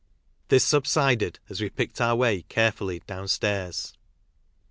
This subsided as we picked our way care fully downstairs.